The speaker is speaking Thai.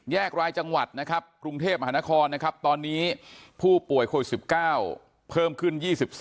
รายจังหวัดนะครับกรุงเทพมหานครนะครับตอนนี้ผู้ป่วยโควิด๑๙เพิ่มขึ้น๒๓